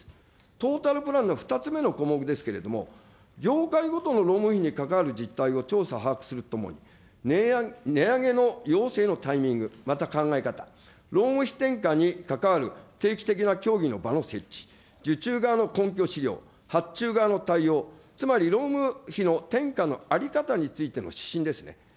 トータルプランの２つ目の項目ですけれども、業界ごとの労務費にかかる実態を調査、把握するとともに、値上げの要請のタイミング、また考え方、労務費転嫁に関わる定期的な協議の場の設置、受注側の根拠資料、発注側の対応、つまり労務費の転嫁の在り方についての指針ですね。